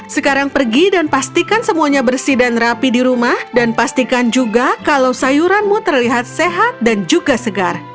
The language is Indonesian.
sekarang pergi dan pastikan semuanya bersih dan rapi di rumah dan pastikan juga kalau sayuranmu terlihat sehat dan juga segar